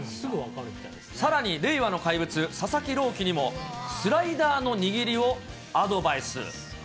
さらに令和の怪物、佐々木朗希にも、スライダーの握りをアドバイス。